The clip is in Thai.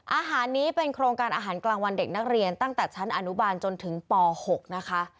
อาหารนี้เป็นโครงการอาหารกลางวันเด็กนักเรียนตั้งแต่ชั้นอนุบาลจนถึงป๖นะคะ